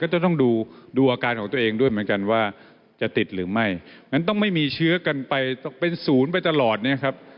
จะต้องดูดูอาการของตัวเองด้วยเหมือนกันว่าจะติดหรือไม่งั้นต้องไม่มีเชื้อกันไปเป็นศูนย์ไปตลอดเนี่ยครับ